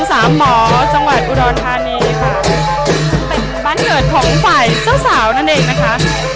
สามหมอจังหวัดอุดรธานีค่ะเป็นบ้านเกิดของฝ่ายเจ้าสาวนั่นเองนะคะ